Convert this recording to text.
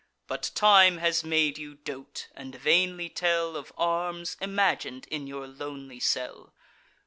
But time has made you dote, and vainly tell Of arms imagin'd in your lonely cell.